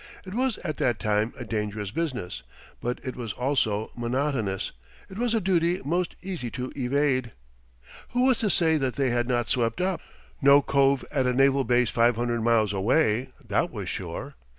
It was at that time a dangerous business, but it was also monotonous. It was a duty most easy to evade. Who was to say they had not swept up? No cove at a naval base five hundred miles away, that was sure!